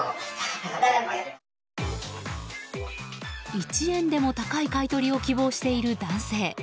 １円でも高い買い取りを希望している男性。